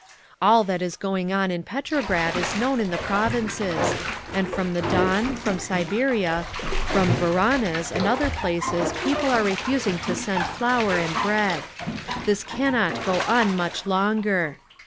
"ALL THAT IS GOING ON IN PETROGRAD IS KNOWN IN THE PROVINCES, AND FROM THE DON, FROM SIBERIA, FROM VORONEZH AND OTHER PLACES PEOPLE ARE REFUSING TO SEND FLOUR AND BREAD. "THIS CANNOT GO ON MUCH LONGER.